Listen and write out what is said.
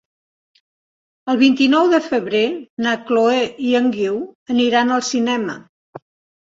El vint-i-nou de febrer na Chloé i en Guiu aniran al cinema.